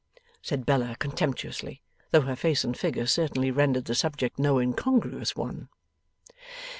said Bella, contemptuously: though her face and figure certainly rendered the subject no incongruous one.